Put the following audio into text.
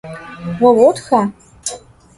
Vo votxa?